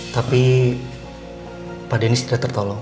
tapi pak denny sudah tertolong